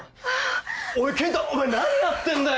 おい健太お前何やってんだよ！